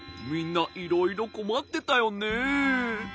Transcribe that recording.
みんないろいろこまってたよね。